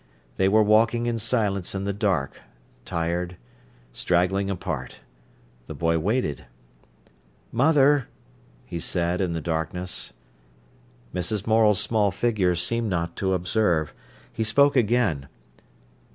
They were walking in silence in the dark, tired, straggling apart. The boy waited. "Mother!" he said, in the darkness. Mrs. Morel's small figure seemed not to observe. He spoke again.